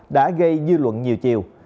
đã gây dư luận nhiều chiều